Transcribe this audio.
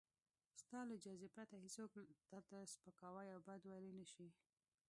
ستا له اجازې پرته هېڅوک تا سپکولای او بد ویلای نشي.